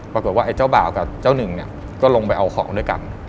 ปรากฏว่าไอ้เจ้าบ่าวกับเจ้าหนึ่งเนี่ยก็ลงไปเอาของด้วยกัน